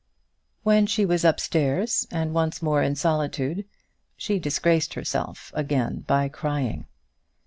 When she was upstairs, and once more in solitude, she disgraced herself again by crying.